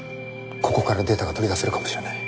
ここからデータが取り出せるかもしれない。